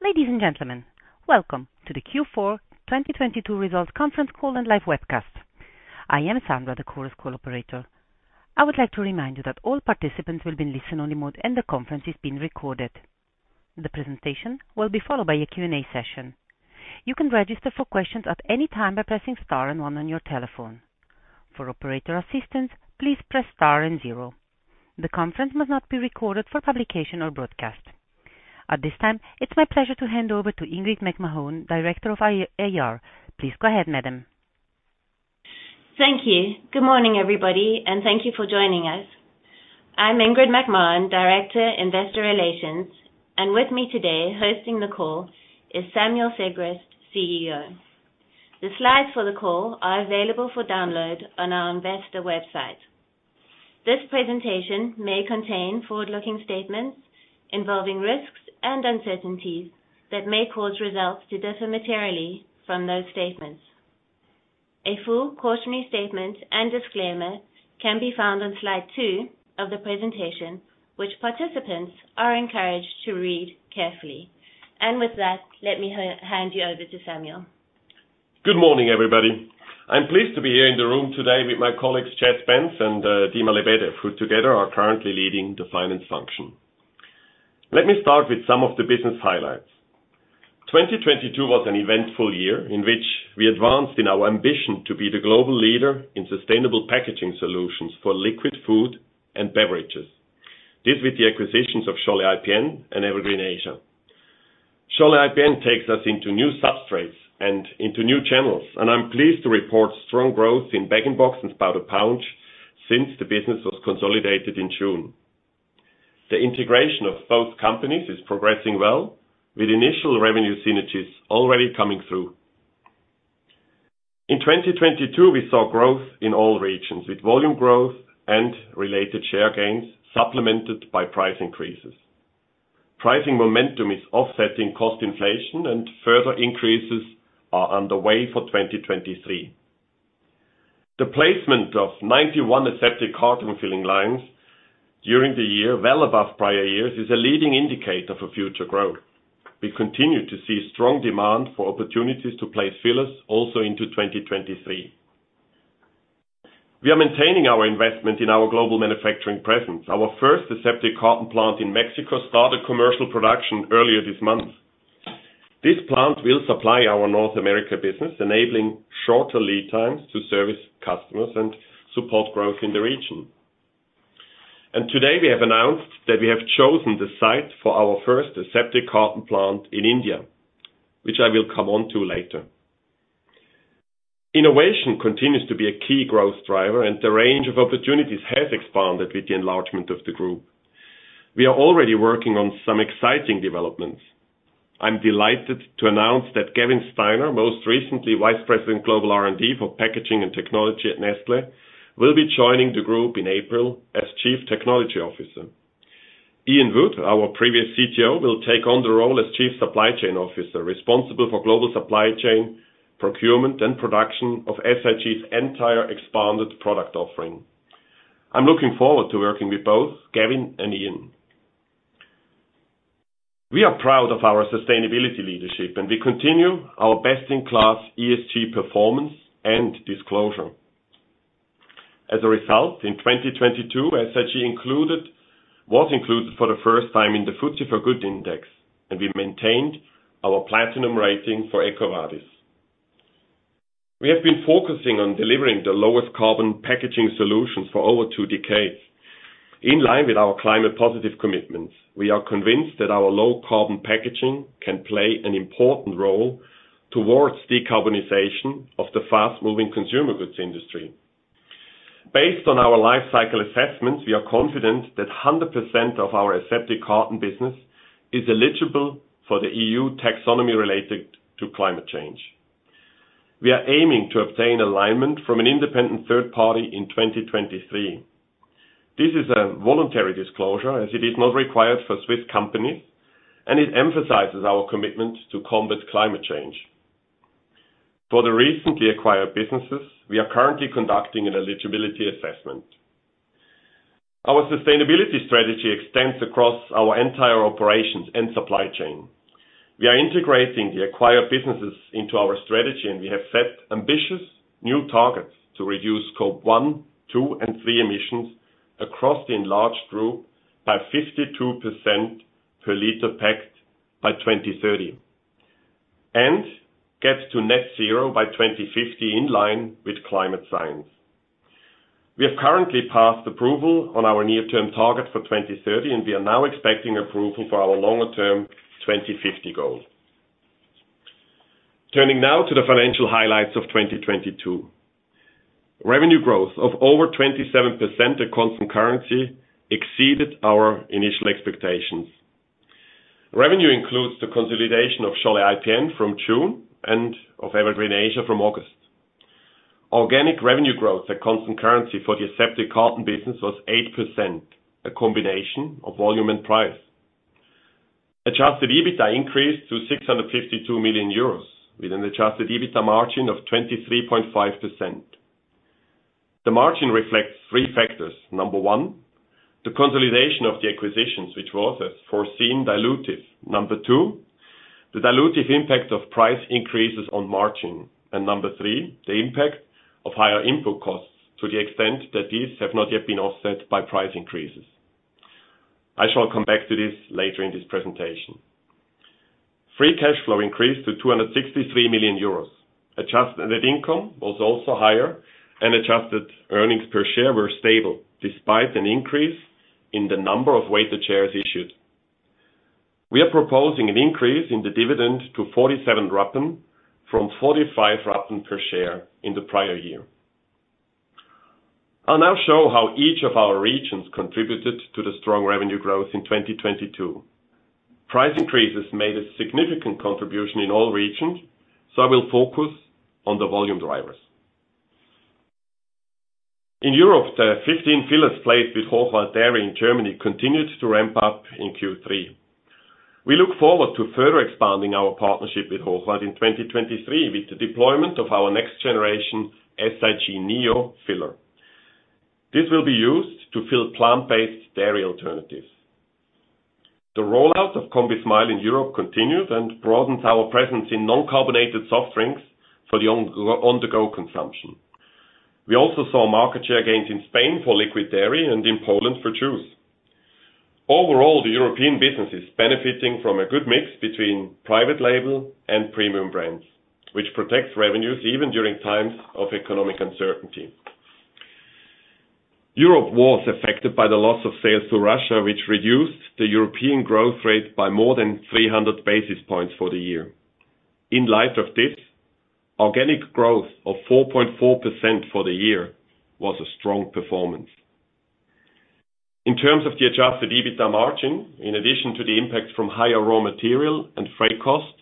Ladies and gentlemen, welcome to the Q4 2022 Results Conference Call and Live Webcast. I am Sandra, the Chorus Call operator. I would like to remind you that all participants will be in listen-only mode, and the conference is being recorded. The presentation will be followed by a Q&A session. You can register for questions at any time by pressing star and one on your telephone. For operator assistance, please press star and zero. The conference must not be recorded for publication or broadcast. At this time, it's my pleasure to hand over to Ingrid McMahon, Director of IR. Please go ahead, madam. Thank you. Good morning, everybody, and thank you for joining us. I'm Ingrid McMahon, Director, Investor Relations, and with me today hosting the call is Samuel Sigrist, CEO. The slides for the call are available for download on our investor website. This presentation may contain forward-looking statements involving risks and uncertainties that may cause results to differ materially from those statements. A full cautionary statement and disclaimer can be found on slide two of the presentation, which participants are encouraged to read carefully. With that, let me hand you over to Samuel. Good morning, everybody. I'm pleased to be here in the room today with my colleagues, Jess Spence and Dima Lebedev, who together are currently leading the finance function. Let me start with some of the business highlights. 2022 was an eventful year in which we advanced in our ambition to be the global leader in sustainable packaging solutions for liquid food and beverages. This with the acquisitions of Scholle IPN and Evergreen Asia. Scholle IPN takes us into new substrates and into new channels, and I'm pleased to report strong growth in bag-in-box and spouted pouch since the business was consolidated in June. The integration of both companies is progressing well, with initial revenue synergies already coming through. In 2022, we saw growth in all regions, with volume growth and related share gains supplemented by price increases. Pricing momentum is offsetting cost inflation and further increases are underway for 2023. The placement of 91 aseptic carton filling lines during the year, well above prior years, is a leading indicator for future growth. We continue to see strong demand for opportunities to place fillers also into 2023. We are maintaining our investment in our global manufacturing presence. Our first aseptic carton plant in Mexico started commercial production earlier this month. This plant will supply our North America business, enabling shorter lead times to service customers and support growth in the region. Today, we have announced that we have chosen the site for our first aseptic carton plant in India, which I will come on to later. Innovation continues to be a key growth driver, and the range of opportunities has expanded with the enlargement of the group. We are already working on some exciting developments. I'm delighted to announce that Gavin Steiner, most recently Vice President Global R&D for Packaging and Technology at Nestlé, will be joining the group in April as Chief Technology Officer. Ian Wood, our previous CTO, will take on the role as Chief Supply Chain Officer, responsible for global supply chain, procurement, and production of SIG's entire expanded product offering. I'm looking forward to working with both Gavin and Ian. We are proud of our sustainability leadership, and we continue our best-in-class ESG performance and disclosure. As a result, in 2022, SIG was included for the first time in the FTSE4Good Index, and we maintained our platinum rating for EcoVadis. We have been focusing on delivering the lowest carbon packaging solutions for over two decades. In line with our climate-positive commitments, we are convinced that our low carbon packaging can play an important role towards decarbonization of the fast-moving consumer goods industry. Based on our Life Cycle Assessments, we are confident that 100% of our aseptic carton business is eligible for the EU taxonomy related to climate change. We are aiming to obtain alignment from an independent third party in 2023. This is a voluntary disclosure, as it is not required for Swiss companies, and it emphasizes our commitment to combat climate change. For the recently acquired businesses, we are currently conducting an eligibility assessment. Our sustainability strategy extends across our entire operations and supply chain. We are integrating the acquired businesses into our strategy. We have set ambitious new targets to reduce Scope 1, 2, and 3 emissions across the enlarged group by 52% per liter packed by 2030, and get to net zero by 2050 in line with climate science. We have currently passed approval on our near-term target for 2030. We are now expecting approval for our longer-term 2050 goal. Turning now to the financial highlights of 2022. Revenue growth of over 27% at constant currency exceeded our initial expectations. Revenue includes the consolidation of Scholle IPN from June and of Evergreen Asia from August. Organic revenue growth at constant currency for the aseptic carton business was 8%, a combination of volume and price. Adjusted EBITDA increased to 652 million euros, with an adjusted EBITDA margin of 23.5%. The margin reflects three factors. Number one, the consolidation of the acquisitions, which was a foreseen dilutive. Number two, the dilutive impact of price increases on margin. Number three, the impact of higher input costs to the extent that these have not yet been offset by price increases. I shall come back to this later in this presentation. Free cash flow increased to 263 million euros. Adjusted net income was also higher, and adjusted earnings per share were stable despite an increase in the number of weighted shares issued. We are proposing an increase in the dividend to 47 rappen from 45 rappen per share in the prior year. I'll now show how each of our regions contributed to the strong revenue growth in 2022. Price increases made a significant contribution in all regions. I will focus on the volume drivers. In Europe, the 15 filler placed with Hochwald in Germany continued to ramp up in Q3. We look forward to further expanding our partnership with Hochwald in 2023 with the deployment of our next generation SIG NEO filler. This will be used to fill plant-based dairy alternatives. The rollout of combismile in Europe continued and broadens our presence in non-carbonated soft drinks for the on-the-go consumption. We also saw market share gains in Spain for liquid dairy and in Poland for juice. Overall, the European business is benefiting from a good mix between private label and premium brands, which protects revenues even during times of economic uncertainty. Europe was affected by the loss of sales to Russia, which reduced the European growth rate by more than 300 basis points for the year. In light of this, organic growth of 4.4% for the year was a strong performance. In terms of the adjusted EBITDA margin, in addition to the impact from higher raw material and freight costs,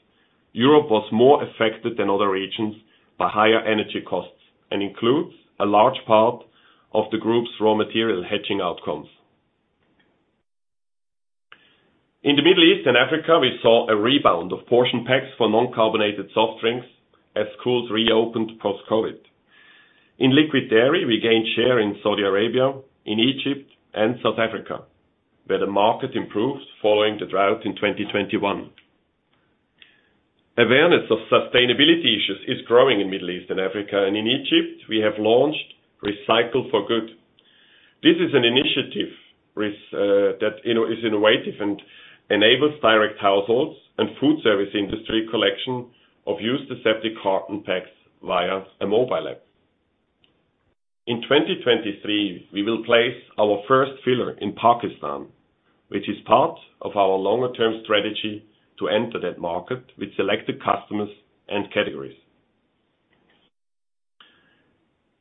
Europe was more affected than other regions by higher energy costs and includes a large part of the group's raw material hedging outcomes. In the Middle East and Africa, we saw a rebound of portion packs for non-carbonated soft drinks as schools reopened post-COVID. In liquid dairy, we gained share in Saudi Arabia, in Egypt, and South Africa, where the market improved following the drought in 2021. Awareness of sustainability issues is growing in Middle East and Africa. In Egypt, we have launched Recycle for Good. This is an initiative that is innovative and enables direct households and food service industry collection of used aseptic carton packs via a mobile app. In 2023, we will place our first filler in Pakistan, which is part of our longer term strategy to enter that market with selected customers and categories.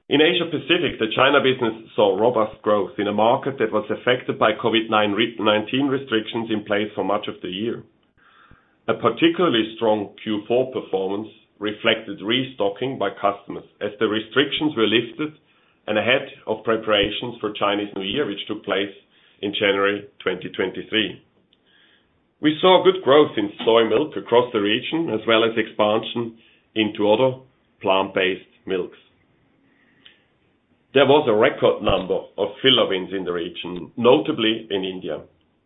In Asia Pacific, the China business saw robust growth in a market that was affected by COVID-19 restrictions in place for much of the year. A particularly strong Q4 performance reflected restocking by customers as the restrictions were lifted and ahead of preparations for Chinese New Year, which took place in January 2023. We saw a good growth in soy milk across the region, as well as expansion into other plant-based milks. There was a record number of filler wins in the region, notably in India,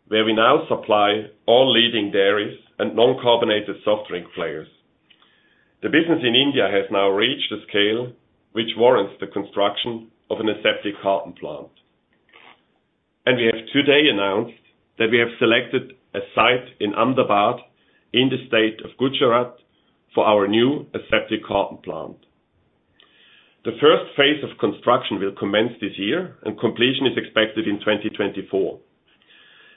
where we now supply all leading dairies and non-carbonated soft drink players. The business in India has now reached a scale which warrants the construction of an aseptic carton plant. We have today announced that we have selected a site in Ahmedabad in the state of Gujarat for our new aseptic carton plant. The first phase of construction will commence this year, and completion is expected in 2024.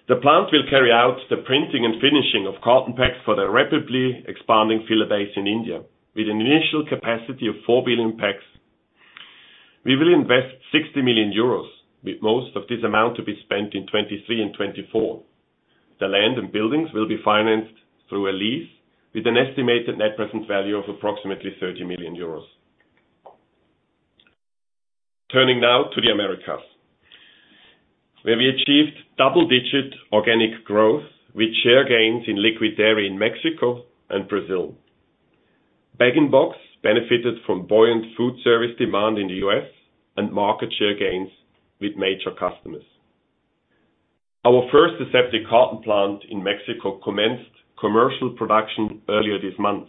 The plant will carry out the printing and finishing of carton packs for the rapidly expanding filler base in India with an initial capacity of 4 billion packs. We will invest 60 million euros, with most of this amount to be spent in 2023 and 2024. The land and buildings will be financed through a lease with an estimated net present value of approximately 30 million euros. Turning now to the Americas, where we achieved double-digit organic growth with share gains in liquid dairy in Mexico and Brazil. Bag-in-box benefited from buoyant food service demand in the U.S. and market share gains with major customers. Our first aseptic carton plant in Mexico commenced commercial production earlier this month.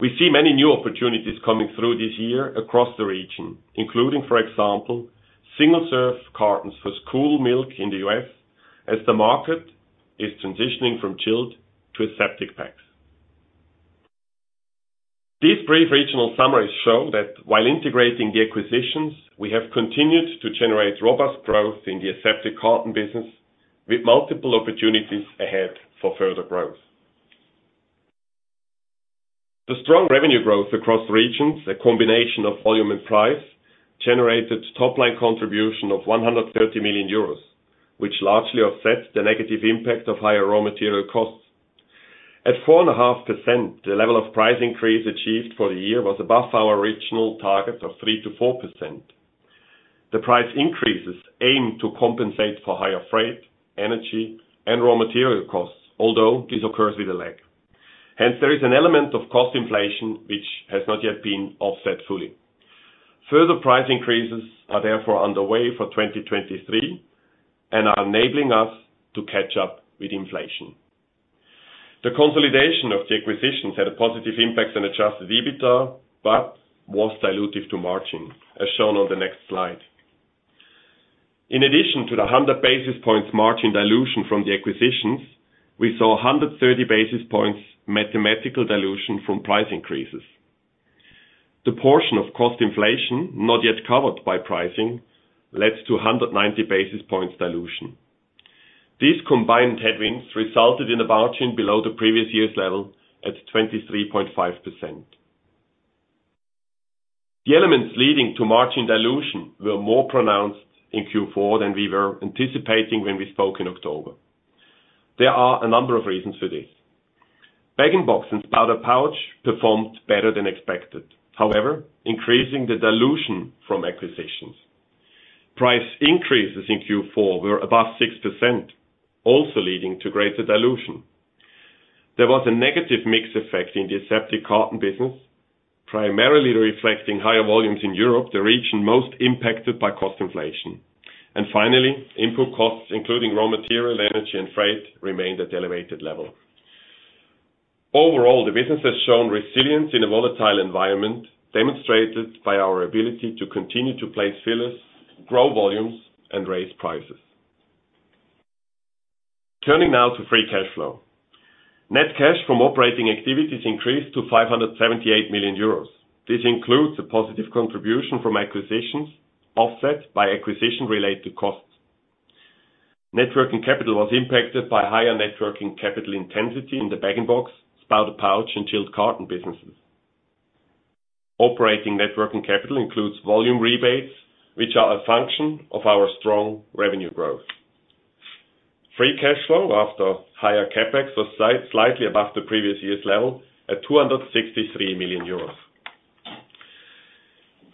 We see many new opportunities coming through this year across the region, including, for example, single-serve cartons for school milk in the U.S. as the market is transitioning from chilled to aseptic packs. These brief regional summaries show that while integrating the acquisitions, we have continued to generate robust growth in the aseptic carton business with multiple opportunities ahead for further growth. The strong revenue growth across regions, a combination of volume and price, generated top line contribution of 130 million euros, which largely offset the negative impact of higher raw material costs. At 4.5%, the level of price increase achieved for the year was above our original target of 3%-4%. The price increases aim to compensate for higher freight, energy, and raw material costs, although this occurs with a lag. There is an element of cost inflation which has not yet been offset fully. Further price increases are therefore underway for 2023, and are enabling us to catch up with inflation. The consolidation of the acquisitions had a positive impact on adjusted EBITDA, but was dilutive to margin, as shown on the next slide. In addition to the 100 basis points margin dilution from the acquisitions, we saw 130 basis points mathematical dilution from price increases. The portion of cost inflation not yet covered by pricing led to a 190 basis points dilution. These combined headwinds resulted in a margin below the previous year's level at 23.5%. The elements leading to margin dilution were more pronounced in Q4 than we were anticipating when we spoke in October. There are a number of reasons for this. Bag-in-box and spouted pouch performed better than expected. Increasing the dilution from acquisitions. Price increases in Q4 were above 6%, also leading to greater dilution. There was a negative mix effect in the aseptic carton business, primarily reflecting higher volumes in Europe, the region most impacted by cost inflation. Finally, input costs, including raw material, energy, and freight, remained at elevated level. Overall, the business has shown resilience in a volatile environment, demonstrated by our ability to continue to place fillers, grow volumes, and raise prices. Turning now to free cash flow. Net cash from operating activities increased to 578 million euros. This includes a positive contribution from acquisitions offset by acquisition-related costs. Net working capital was impacted by higher net working capital intensity in the bag-in-box, spouted pouch, and chilled carton businesses. Operating net working capital includes volume rebates, which are a function of our strong revenue growth. Free cash flow after higher CapEx was slightly above the previous year's level at 263 million euros.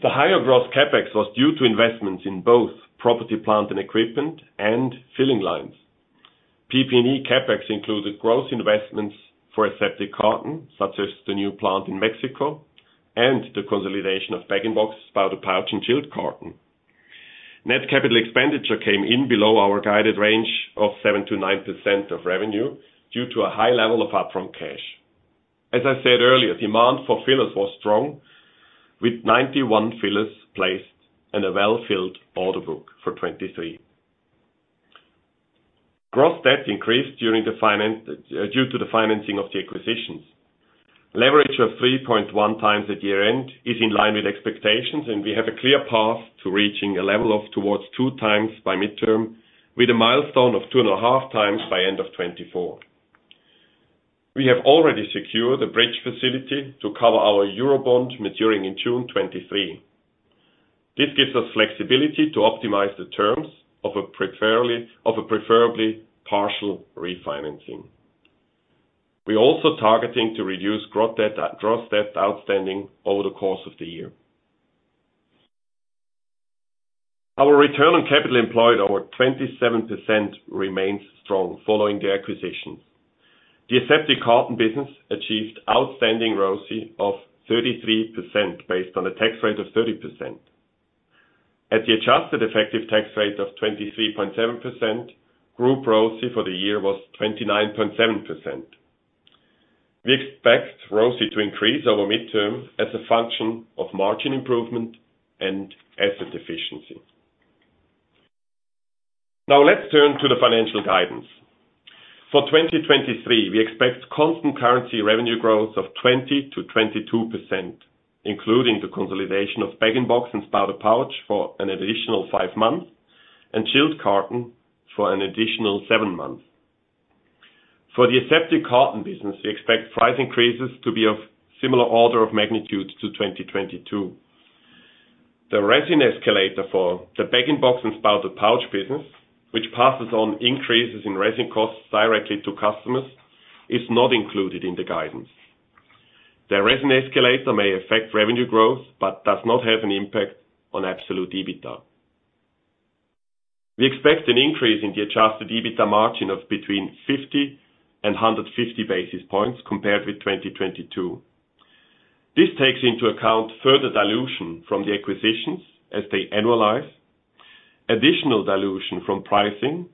The higher gross CapEx was due to investments in both property, plant, and equipment, and filling lines. PP&E CapEx included gross investments for aseptic carton, such as the new plant in Mexico, and the consolidation of bag-in-box, spouted pouch, and chilled carton. Net capital expenditure came in below our guided range of 7%-9% of revenue due to a high level of upfront cash. As I said earlier, demand for fillers was strong with 91 fillers placed and a well-filled order book for 2023. Gross debt increased during the finance— due to the financing of the acquisitions. Leverage of 3.1x at year-end is in line with expectations, and we have a clear path to reaching a level of towards 2x by midterm, with a milestone of 2.5x by end of 2024. We have already secured a bridge facility to cover our Eurobond maturing in June 2023. This gives us flexibility to optimize the terms of a preferably, of a preferably partial refinancing. We're also targeting to reduce gross debt outstanding over the course of the year. Our return on capital employed over 27% remains strong following the acquisitions. The aseptic carton business achieved outstanding ROCE of 33% based on a tax rate of 30%. At the adjusted effective tax rate of 23.7%, group ROCE for the year was 29.7%. We expect ROCE to increase over midterm as a function of margin improvement and asset efficiency. Now let's turn to the financial guidance. For 2023, we expect constant currency revenue growth of 20%-22%, including the consolidation of bag-in-box and spouted pouch for an additional five months, and chilled carton for an additional seven months. For the Aseptic Carton business, we expect price increases to be of similar order of magnitude to 2022. The resin escalator for the Bag-in-Box and Spouted Pouch business, which passes on increases in resin costs directly to customers, is not included in the guidance. The resin escalator may affect revenue growth, but does not have an impact on absolute EBITDA. We expect an increase in the adjusted EBITDA margin of between 50 and 150 basis points compared with 2022. This takes into account further dilution from the acquisitions as they annualize, additional dilution from pricing,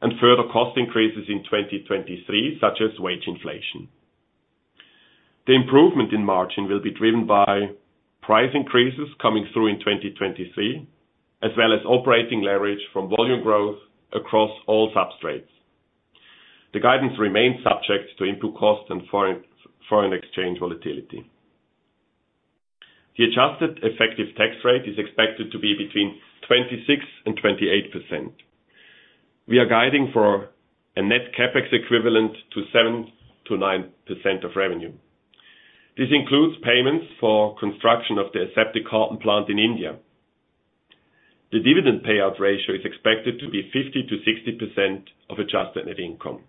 and further cost increases in 2023, such as wage inflation. The improvement in margin will be driven by price increases coming through in 2023, as well as operating leverage from volume growth across all substrates. The guidance remains subject to input costs and foreign exchange volatility. The adjusted effective tax rate is expected to be between 26% and 28%. We are guiding for a net CapEx equivalent to 7%-9% of revenue. This includes payments for construction of the aseptic carton plant in India. The dividend payout ratio is expected to be 50%-60% of adjusted net income.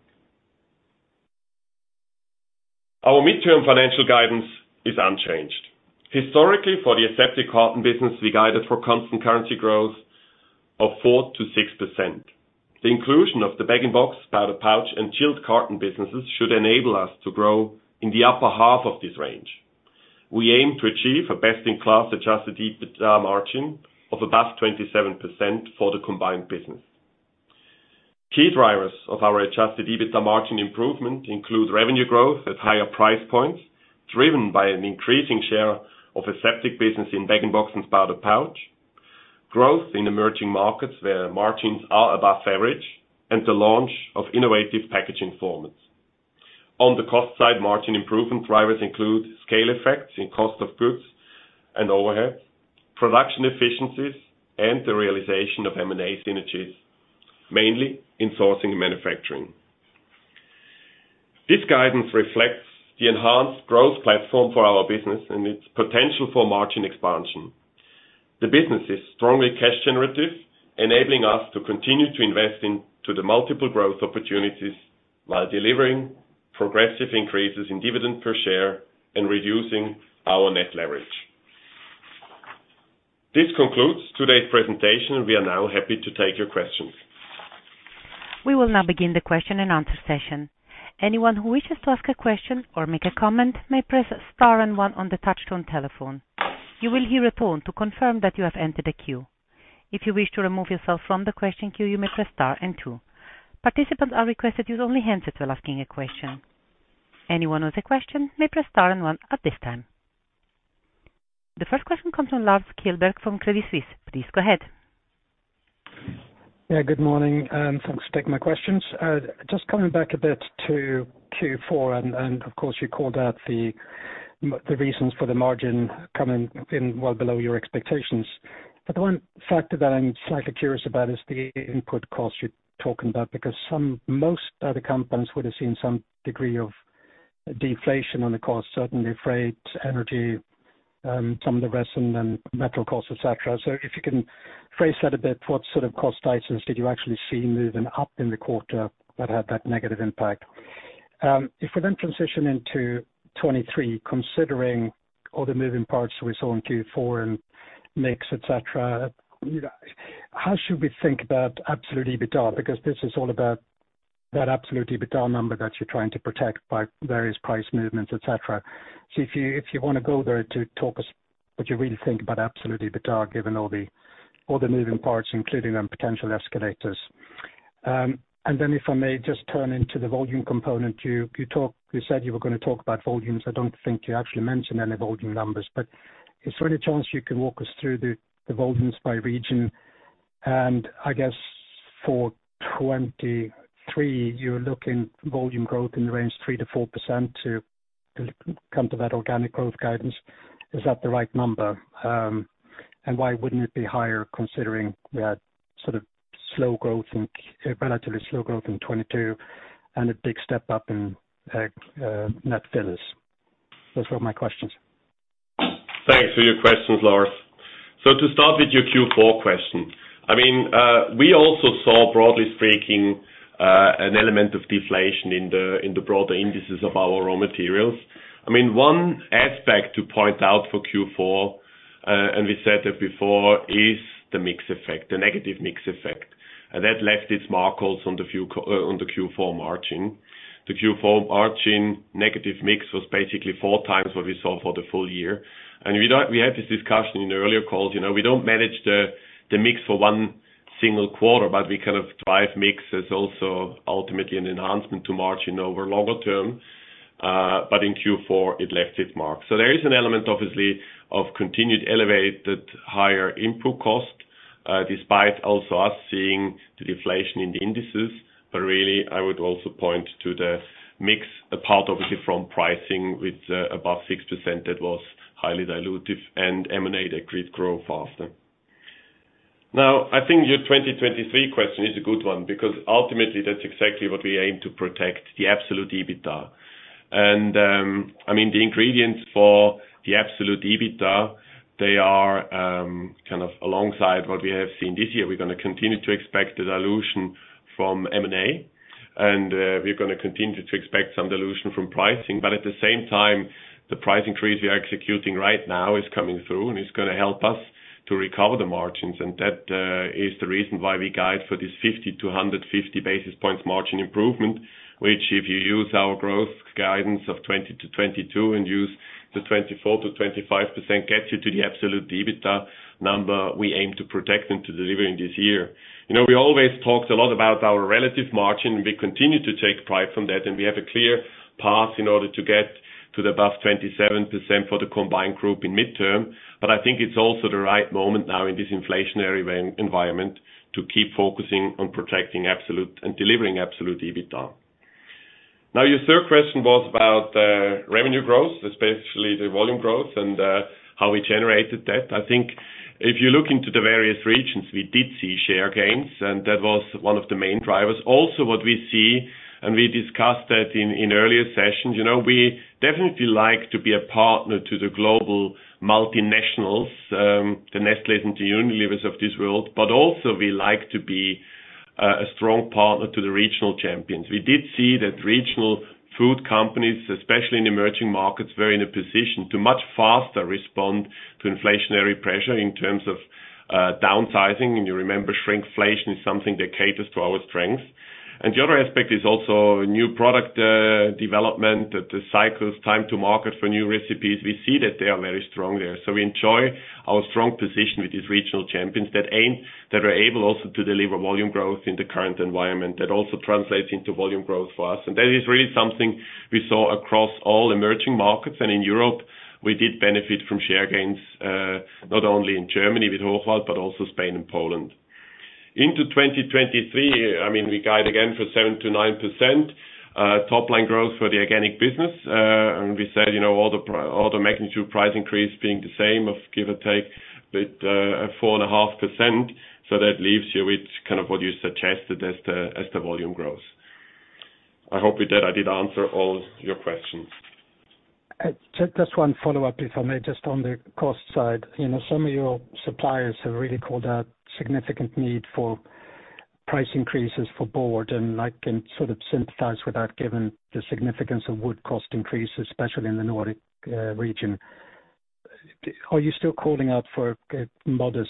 Our midterm financial guidance is unchanged. Historically, for the aseptic carton business, we guided for constant currency growth of 4%-6%. The inclusion of the bag-in-box, spouted pouch, and chilled carton businesses should enable us to grow in the upper half of this range. We aim to achieve a best-in-class adjusted EBITDA margin of above 27% for the combined business. Key drivers of our adjusted EBITDA margin improvement include revenue growth at higher price points, driven by an increasing share of aseptic business in bag-in-box and spouted pouch, growth in emerging markets where margins are above average, and the launch of innovative packaging formats. On the cost side, margin improvement drivers include scale effects in cost of goods and overhead, production efficiencies, and the realization of M&A synergies, mainly in sourcing and manufacturing. This guidance reflects the enhanced growth platform for our business and its potential for margin expansion. The business is strongly cash generative, enabling us to continue to invest into the multiple growth opportunities while delivering progressive increases in dividend per share and reducing our net leverage. This concludes today's presentation. We are now happy to take your questions. We will now begin the question-and-answer session. Anyone who wishes to ask a question or make a comment may press star and one on the touchtone telephone. You will hear a tone to confirm that you have entered a queue. If you wish to remove yourself from the question queue, you may press star and two. Participants are requested to use only hands while asking a question. Anyone with a question may press star and one at this time. The first question comes from Lars Kjellberg from Credit Suisse. Please go ahead. Good morning. Thanks for taking my questions. Just coming back a bit to Q4, and of course, you called out the reasons for the margin coming in well below your expectations. The one factor that I'm slightly curious about is the input cost you're talking about because most other companies would have seen some degree of deflation on the cost, certainly freight, energy, some of the resin and metal costs, et cetera. If you can phrase that a bit, what sort of cost items did you actually see moving up in the quarter that had that negative impact? If we then transition into 2023, considering all the moving parts we saw in Q4 and mix, et cetera, you know, how should we think about absolute EBITDA? This is all about that absolute EBITDA number that you're trying to protect by various price movements, et cetera. If you wanna go there to talk us what you really think about absolute EBITDA given all the moving parts including on potential escalators. If I may just turn into the volume component, you talked, you said you were gonna talk about volumes. I don't think you actually mentioned any volume numbers. Is there any chance you can walk us through the volumes by region? I guess for 2023, you're looking volume growth in the range 3%-4% to come to that organic growth guidance. Is that the right number? Why wouldn't it be higher considering we had sort of slow growth in, relatively slow growth in 2022 and a big step up in net fillers? Those were my questions. Thanks for your questions, Lars. To start with your Q4 question, we also saw, broadly speaking, an element of deflation in the broader indices of our raw materials. One aspect to point out for Q4, and we said it before, is the mix effect, the negative mix effect, and that left its mark also on the Q4 margin. The Q4 margin negative mix was basically 4x what we saw for the full year. We had this discussion in the earlier calls. You know, we don't manage the mix for one single quarter, but we kind of drive mix as also ultimately an enhancement to margin over longer term, but in Q4 it left its mark. There is an element obviously of continued elevated higher input cost, despite also us seeing the deflation in the indices. Really, I would also point to the mix apart obviously from pricing with above 6% that was highly dilutive and M&A that could grow faster. I think your 2023 question is a good one because ultimately that's exactly what we aim to protect, the absolute EBITDA. I mean, the ingredients for the absolute EBITDA, they are kind of alongside what we have seen this year. We're gonna continue to expect the dilution from M&A, and we're gonna continue to expect some dilution from pricing. At the same time, the price increase we are executing right now is coming through, and it's gonna help us to recover the margins. That is the reason why we guide for this 50-150 basis points margin improvement, which if you use our growth guidance of 20%-22% and use the 24%-25%, gets you to the absolute EBITDA number we aim to protect and to deliver in this year. You know, we always talked a lot about our relative margin. We continue to take pride from that. We have a clear path in order to get to the above 27% for the combined group in midterm. I think it's also the right moment now in this inflationary environment to keep focusing on protecting absolute and delivering absolute EBITDA. Now, your third question was about revenue growth, especially the volume growth and how we generated that. I think if you look into the various regions, we did see share gains, and that was one of the main drivers. What we see, and we discussed that in earlier sessions, you know, we definitely like to be a partner to the global multinationals, the Nestlé and the Unilever of this world. Also we like to be a strong partner to the regional champions. We did see that regional food companies, especially in emerging markets, were in a position to much faster respond to inflationary pressure in terms of downsizing. You remember shrinkflation is something that caters to our strengths. The other aspect is also new product development, the cycles, time to market for new recipes. We see that they are very strong there. We enjoy our strong position with these regional champions that are able also to deliver volume growth in the current environment. That also translates into volume growth for us. That is really something we saw across all emerging markets. In Europe, we did benefit from share gains, not only in Germany with Hochwald, but also Spain and Poland. Into 2023, we guide again for 7%-9% top line growth for the organic business. We said, all the magnitude price increase being the same of give or take with 4.5%, that leaves you with kind of what you suggested as the, as the volume grows. I hope with that I did answer all your questions. Just one follow-up, if I may, just on the cost side. You know, some of your suppliers have really called out significant need for price increases for board, and I can sort of sympathize with that given the significance of wood cost increases, especially in the Nordic region. Are you still calling out for a modest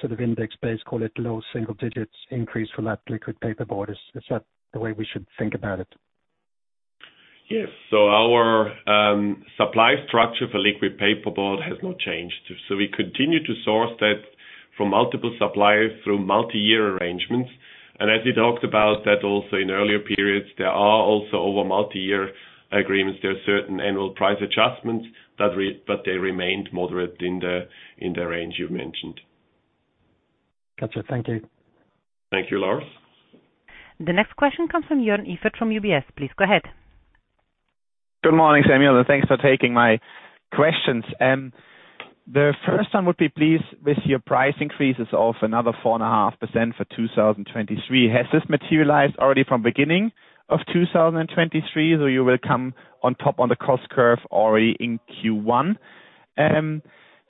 sort of index base, call it low single digits increase for that liquid paperboard? Is that the way we should think about it? Yes. Our supply structure for liquid paperboard has not changed. We continue to source that from multiple suppliers through multi-year arrangements. As we talked about that also in earlier periods, there are also over multi-year agreements, there are certain annual price adjustments, but they remained moderate in the range you mentioned. Got you. Thank you. Thank you, Lars. The next question comes from Joern Iffert from UBS. Please go ahead. Good morning, Samuel, and thanks for taking my questions. The first one would be, please, with your price increases of another 4.5% for 2023, has this materialized already from beginning of 2023, or you will come on top on the cost curve already in Q1?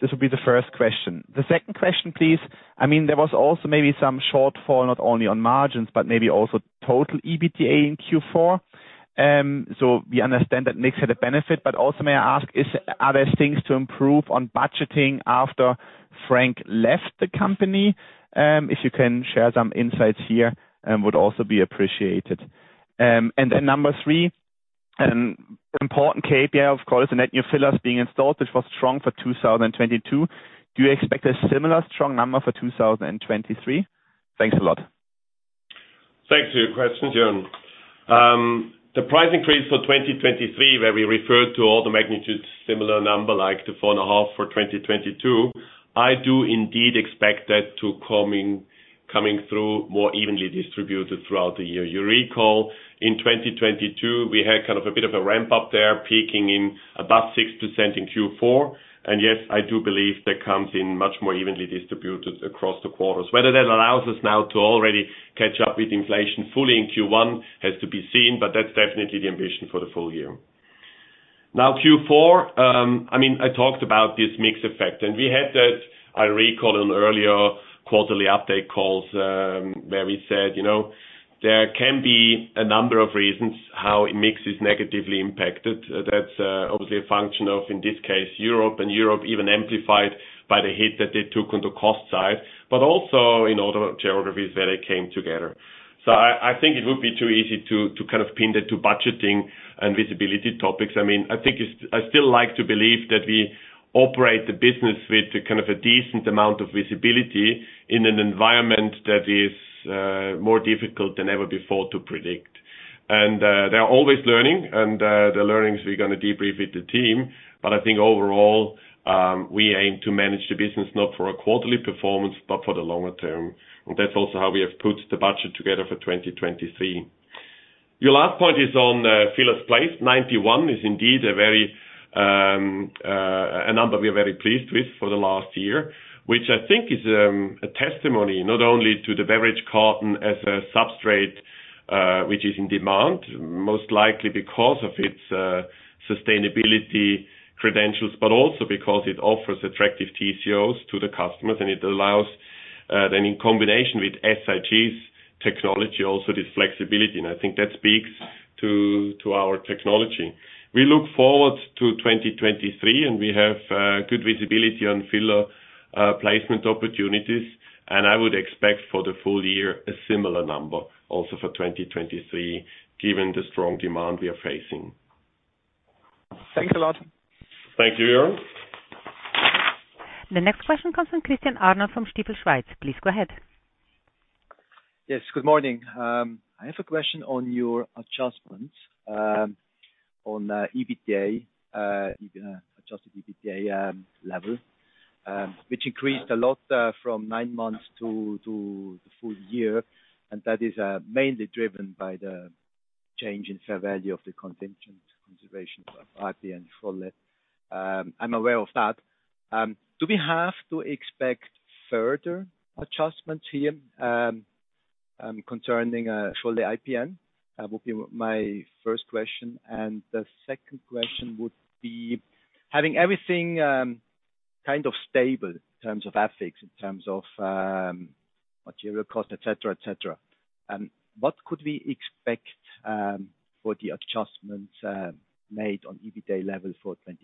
This will be the first question. The second question, please. I mean, there was also maybe some shortfall, not only on margins, but maybe also total EBITDA in Q4. We understand that mix had a benefit, but also may I ask, are there things to improve on budgeting after Frank left the company? If you can share some insights here, would also be appreciated. Number three, important KPI, of course, the net new fillers being installed, which was strong for 2022. Do you expect a similar strong number for 2023? Thanks a lot. Thanks for your question, Joern. The price increase for 2023, where we referred to all the magnitudes similar number like the 4.5% for 2022, I do indeed expect that to coming through more evenly distributed throughout the year. You recall in 2022, we had kind of a bit of a ramp up there, peaking in about 6% in Q4. Yes, I do believe that comes in much more evenly distributed across the quarters. Whether that allows us now to already catch up with inflation fully in Q1 has to be seen, but that's definitely the ambition for the full year. Q4, I mean, I talked about this mix effect, and we had that, I recall, on earlier quarterly update calls, where we said, you know, there can be a number of reasons how a mix is negatively impacted. That's obviously a function of, in this case, Europe, and Europe even amplified by the hit that they took on the cost side, but also in other geographies where they came together. I think it would be too easy to kind of pin that to budgeting and visibility topics. I mean, I still like to believe that we operate the business with kind of a decent amount of visibility in an environment that is more difficult than ever before to predict. They are always learning and the learnings we're gonna debrief with the team. I think overall, we aim to manage the business not for a quarterly performance, but for the longer term. That's also how we have put the budget together for 2023. Your last point is on fillers placed. 91 is indeed a very— a number we are very pleased with for the last year, which I think is a testimony not only to the beverage carton as a substrate, which is in demand, most likely because of its sustainability credentials, but also because it offers attractive TCOs to the customers. It allows then in combination with SIG's technology also this flexibility. I think that speaks to our technology. We look forward to 2023, and we have good visibility on filler placement opportunities, and I would expect for the full year a similar number also for 2023, given the strong demand we are facing. Thanks a lot. Thank you, Joern. The next question comes from Christian Arnold from Stifel Schweiz. Please go ahead. Yes, good morning. I have a question on your adjustments on adjusted EBITDA level, which increased a lot from nine months to the full year, and that is mainly driven by the change in fair value of the contingent consideration of IPN Scholle. I'm aware of that. Do we have to expect further adjustments here concerning Scholle IPN? That would be my first question. The second question would be having everything kind of stable in terms of ethics, in terms of, material cost, et cetera, et cetera. What could we expect, for the adjustments, made on EBITDA level for 2023?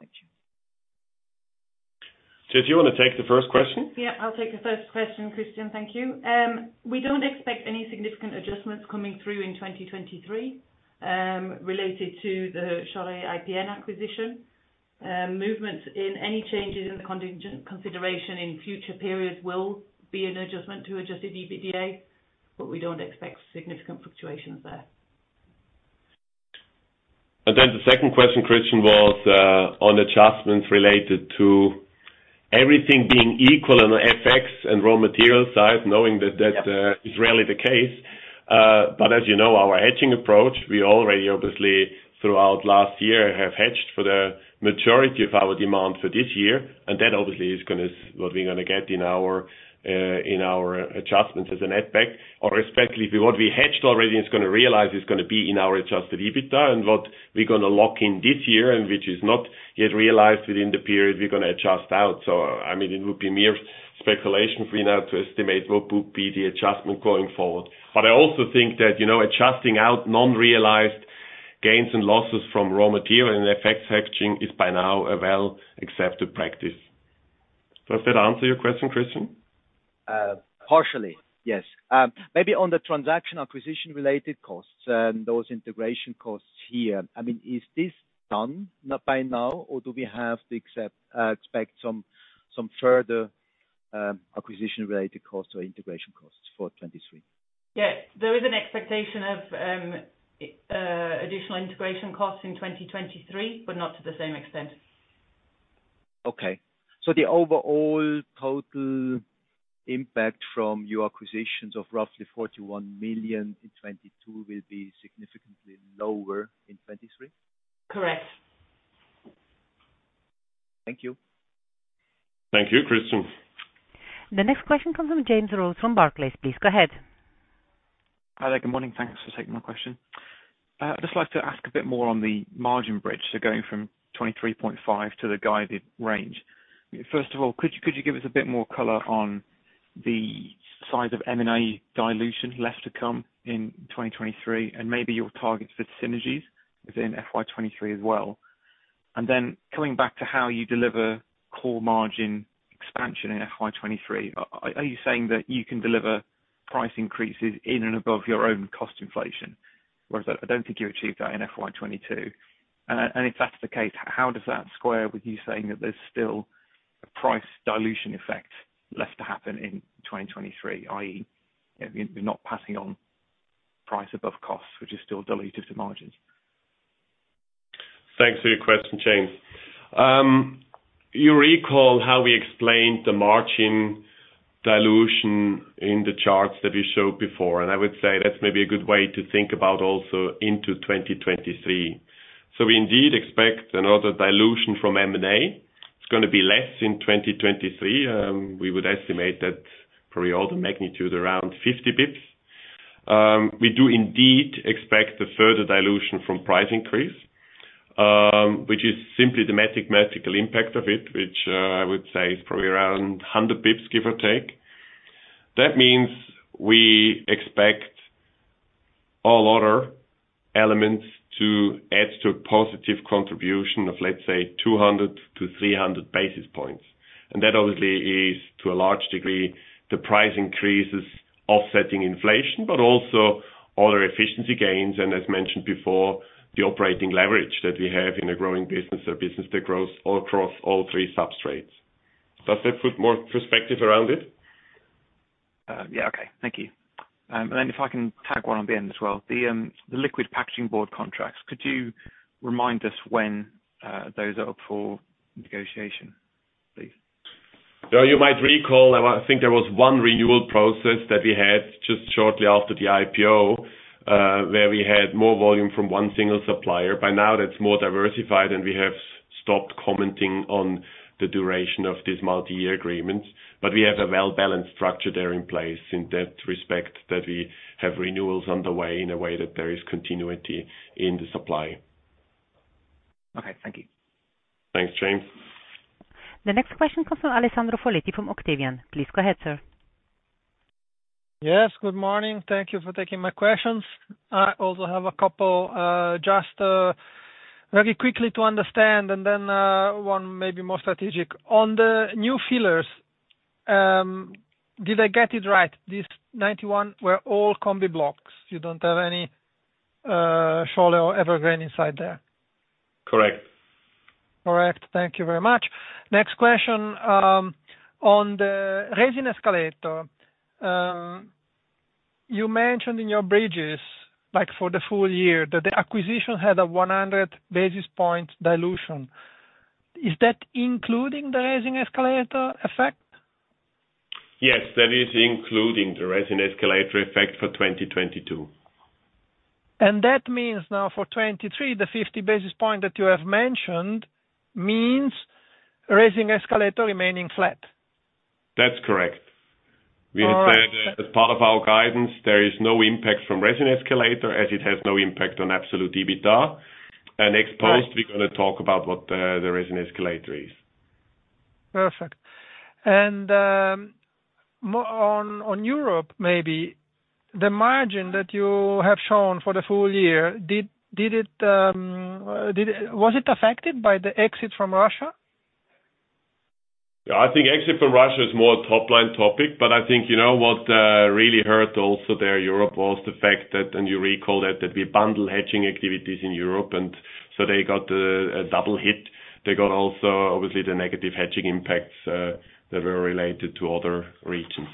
Thank you. Jess, do you wanna take the first question? Yeah, I'll take the first question, Christian, thank you. We don't expect any significant adjustments coming through in 2023 related to the Scholle IPN acquisition. Movements in any changes in the contingent consideration in future periods will be an adjustment to adjusted EBITDA, but we don't expect significant fluctuations there. The second question, Christian, was on adjustments related to everything being equal on the FX and raw material side, knowing that is rarely the case. As you know our hedging approach, we already obviously throughout last year, have hedged for the majority of our demand for this year, and that obviously is gonna what we're gonna get in our, in our adjustments as a net back. Respectively, what we hedged already is gonna realize it's gonna be in our adjusted EBITDA, and what we're gonna lock in this year, and which is not yet realized within the period we're gonna adjust out. I mean, it would be mere speculation for you now to estimate what will be the adjustment going forward. I also think that, you know, adjusting out non-realized gains and losses from raw material and FX hedging is by now a well accepted practice. Does that answer your question, Christian? Partially, yes. Maybe on the transaction acquisition related costs and those integration costs here, I mean, is this done by now, or do we have to expect some further acquisition-related costs or integration costs for 2023? Yes. There is an expectation of additional integration costs in 2023, but not to the same extent. Okay. The overall total impact from your acquisitions of roughly 41 million in 2022 will be significantly lower in 2023? Correct. Thank you. Thank you, Christian. The next question comes from James Rose from Barclays. Please go ahead. Hi there, good morning. Thanks for taking my question. Just like to ask a bit more on the margin bridge, so going from 23.5 to the guided range. First of all, could you give us a bit more color on the size of M&A dilution left to come in 2023, and maybe your targets for synergies within FY 2023 as well? Coming back to how you deliver core margin expansion in FY 2023, are you saying that you can deliver price increases in and above your own cost inflation, whereas I don't think you achieved that in FY 2022? If that's the case, how does that square with you saying that there's still a price dilution effect left to happen in 2023, i.e. you're not passing on price above costs, which is still dilutive to margins? Thanks for your question, James. You recall how we explained the margin dilution in the charts that we showed before, and I would say that's maybe a good way to think about also into 2023. We indeed expect another dilution from M&A. It's gonna be less in 2023. We would estimate that probably all the magnitude around 50 basis points. We do indeed expect a further dilution from price increase, which is simply the mathematical impact of it, which, I would say is probably around 100 basis points, give or take. We expect all other elements to add to a positive contribution of, let's say, 200-300 basis points. That obviously is, to a large degree, the price increases offsetting inflation, but also other efficiency gains, and as mentioned before, the operating leverage that we have in a growing business or business that grows all across all three substrates. Does that put more perspective around it? Yeah. Okay. Thank you. If I can tag one on the end as well, the liquid packaging board contracts, could you remind us when those are up for negotiation, please? You might recall, I think there was one renewal process that we had just shortly after the IPO, where we had more volume from one single supplier. By now that's more diversified, and we have stopped commenting on the duration of these multi-year agreements. We have a well-balanced structure there in place in that respect, that we have renewals underway in a way that there is continuity in the supply. Okay, thank you. Thanks, James. The next question comes from Alessandro Foletti from Octavian. Please go ahead, sir. Yes, good morning. Thank you for taking my questions. I also have a couple, just very quickly to understand, and then one maybe more strategic. On the new fillers, did I get it right, these 91 were all combiblocs? You don't have any Scholle or Evergreen inside there? Correct. Correct. Thank you very much. Next question on the resin escalator. You mentioned in your bridges, like for the full year, that the acquisition had a 100 basis point dilution. Is that including the resin escalator effect? Yes, that is including the resin escalator effect for 2022. That means now for 2023, the 50 basis points that you have mentioned means resin escalator remaining flat? That's correct. We have said as part of our guidance, there is no impact from resin escalator as it has no impact on absolute EBITDA. Next post, we're gonna talk about what the resin escalator is. Perfect. More on Europe, maybe the margin that you have shown for the full year was it affected by the exit from Russia? I think exit from Russia is more a top line topic, but I think, you know, what really hurt also there Europe was the fact that, and you recall that we bundle hedging activities in Europe and so they got a double hit. They got also obviously the negative hedging impacts that were related to other regions.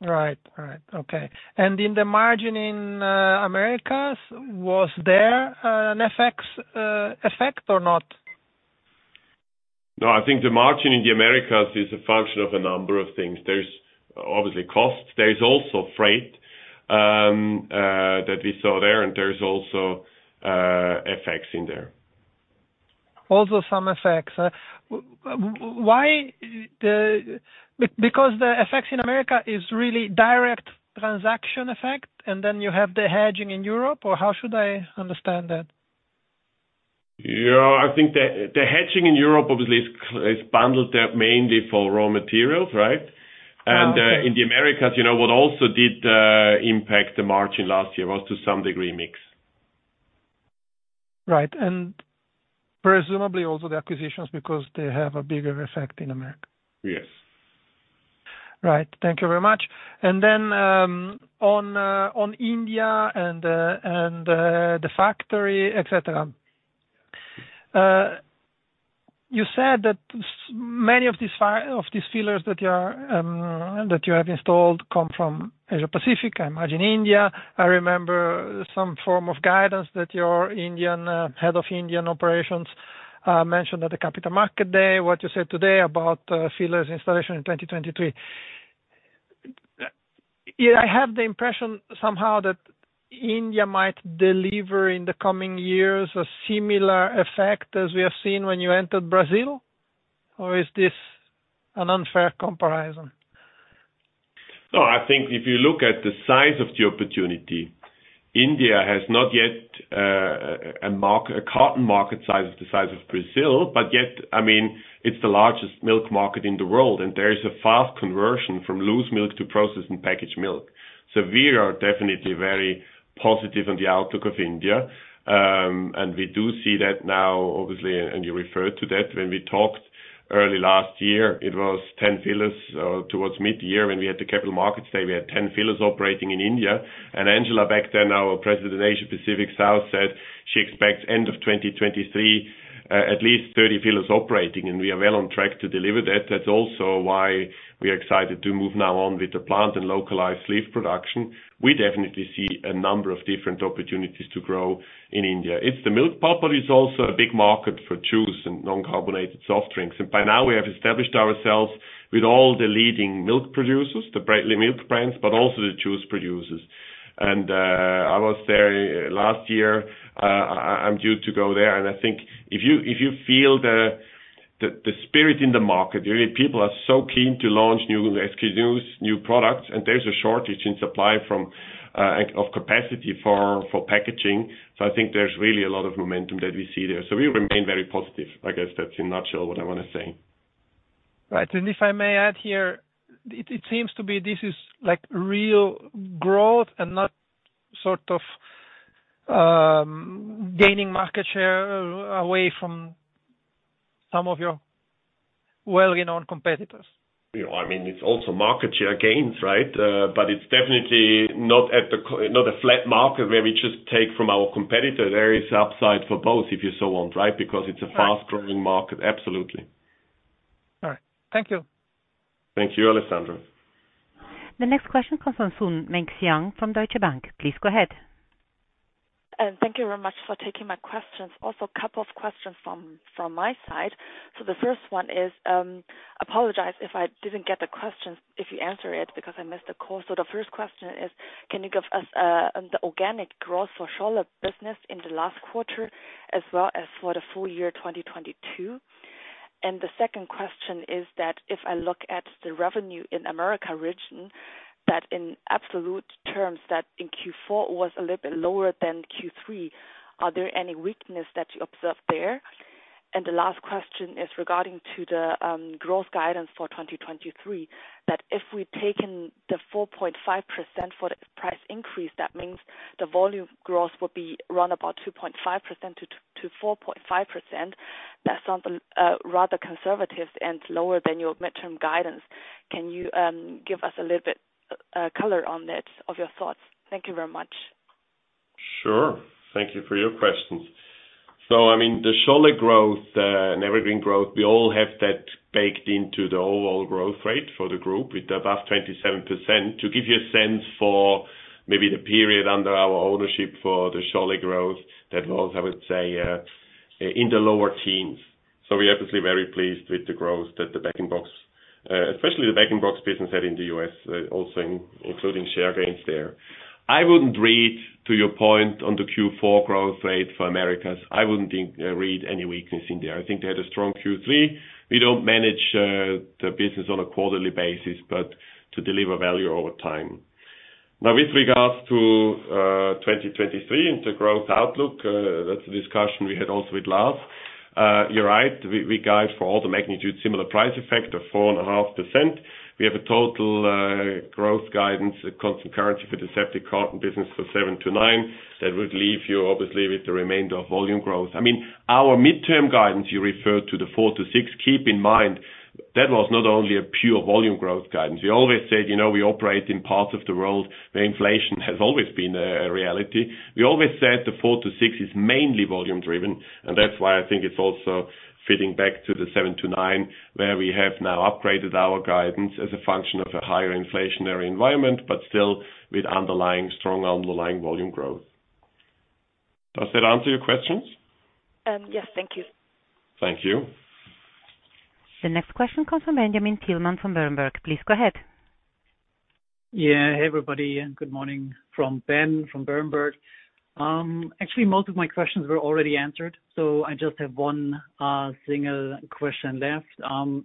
Right. Okay. In the margin in Americas, was there an FX effect or not? No, I think the margin in the Americas is a function of a number of things. There's obviously costs. There is also freight, that we saw there, and there's also FX in there. Some FX. Why the— because the FX in America is really direct transaction effect, and then you have the hedging in Europe, or how should I understand that? Yeah. I think the hedging in Europe obviously is bundled up mainly for raw materials, right? In the Americas, you know, what also did impact the margin last year was to some degree mix. Right. Presumably also the acquisitions because they have a bigger effect in America. Yes. Right. Thank you very much. On India and the factory, et cetera. You said that many of these fillers that you are that you have installed come from Asia Pacific, I imagine India. I remember some form of guidance that your Indian— head of Indian operations mentioned at the Capital Market Day, what you said today about fillers installation in 2023. Yeah, I have the impression somehow that India might deliver in the coming years a similar effect as we have seen when you entered Brazil, or is this an unfair comparison? No, I think if you look at the size of the opportunity, India has not yet a carton market size of the size of Brazil, but yet, I mean, it's the largest milk market in the world. There is a fast conversion from loose milk to processed and packaged milk. We are definitely very positive on the outlook of India. We do see that now, obviously, and you referred to that when we talked early last year, it was 10 fillers towards midyear when we had the Capital Markets Day. We had 10 fillers operating in India. Angela back then, our President of Asia-Pacific South, said she expects end of 2023 at least 30 fillers operating. We are well on track to deliver that. That's also why we are excited to move now on with the plant and localized sleeve production. We definitely see a number of different opportunities to grow in India. It's the milk part, but it's also a big market for juice and non-carbonated soft drinks. By now we have established ourselves with all the leading milk producers, the brightly milk brands, but also the juice producers. I was there last year. I'm due to go there. I think if you, if you feel the, the spirit in the market, really, people are so keen to launch new SKUs, new products, and there's a shortage in supply from— of capacity for packaging. I think there's really a lot of momentum that we see there. We remain very positive. I guess that's in nutshell what I wanna say. Right. If I may add here, it seems to be this is like real growth and not sort of, gaining market share away from some of your well-known competitors. You know, I mean, it's also market share gains, right? It's definitely not a flat market where we just take from our competitor. There is upside for both, if you so want, right? Because it's a fast-growing market. Absolutely. All right. Thank you. Thank you, Alessandro. The next question comes from Sun Mengxian from Deutsche Bank. Please go ahead. Thank you very much for taking my questions. Also, a couple of questions from my side. The first one is, apologize if I didn't get the questions, if you answer it, because I missed the call. The first question is, can you give us the organic growth for Scholle business in the last quarter as well as for the full year 2022? The second question is that if I look at the revenue in America region, that in absolute terms that in Q4 was a little bit lower than Q3, are there any weakness that you observed there? The last question is regarding to the growth guidance for 2023, that if we've taken the 4.5% for the price increase, that means the volume growth will be round about 2.5%-4.5%. That sounds rather conservative and lower than your midterm guidance. Can you give us a little bit color on that of your thoughts? Thank you very much. Sure. Thank you for your questions. I mean, the Scholle growth, and Evergreen growth, we all have that baked into the overall growth rate for the group with above 27%. To give you a sense for maybe the period under our ownership for the Scholle growth, that was, I would say, in the lower teens. We are obviously very pleased with the growth that the bag-in-box, especially the bag-in-box business had in the U.S., also including share gains there. I wouldn't read to your point on the Q4 growth rate for Americas. I wouldn't think, read any weakness in there. I think they had a strong Q3. We don't manage the business on a quarterly basis, but to deliver value over time. With regards to 2023 and the growth outlook, that's a discussion we had also with Lars. You're right, we guide for all the magnitude similar price effect of 4.5%. We have a total growth guidance at constant currency for the aseptic carton business for 7%-9%. That would leave you obviously with the remainder of volume growth. I mean, our midterm guidance, you referred to the 4%-6%. Keep in mind that was not only a pure volume growth guidance. We always said, you know, we operate in parts of the world where inflation has always been a reality. We always said the 4%-6% is mainly volume driven, and that's why I think it's also fitting back to the 7%-9%, where we have now upgraded our guidance as a function of a higher inflationary environment, but still with underlying strong underlying volume growth. Does that answer your questions? Yes, thank you. Thank you. The next question comes from Benjamin Thielmann from Berenberg. Please go ahead. Hey, everybody, good morning from Ben from Berenberg. Actually, most of my questions were already answered, I just have one single question left.